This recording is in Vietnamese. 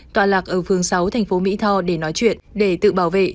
tọa lạc ở phường sáu thành phố mỹ tho để nói chuyện để tự bảo vệ